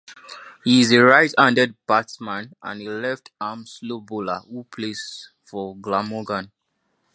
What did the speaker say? He is a right-handed batsman and a left-arm slow bowler who plays for Glamorgan.